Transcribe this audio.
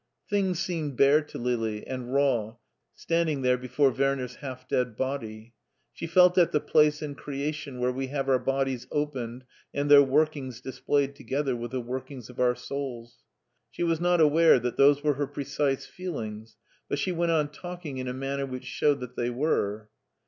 Things seemed bare to Lili, and raw, standing there before Werner's half dead body. She felt at the place in creation where we have our bodies opened and their workings displayed together with the work ings of our souls. She was not aware that those were her precise feelings, but she went on talking in a manner which showed that they were.